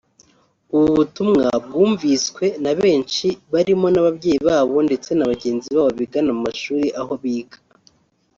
ubu butumwa bwumviswe na benshi barimo n’ababyeyi babo ndetse na bagenzi babo bigana mu mashuri aho biga